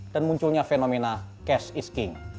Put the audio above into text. dan munculnya fenomena cash is king